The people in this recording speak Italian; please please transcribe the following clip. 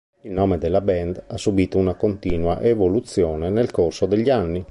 Il nome della band ha subito una continua evoluzione nel corso degli anni.